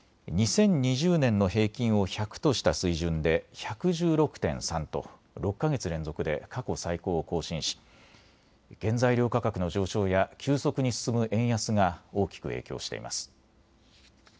２０２０年の平均を１００とした水準で１１６．３と６か月連続で過去最高を更新し原材料価格の上昇や急速に進む円安が大きく影響しています。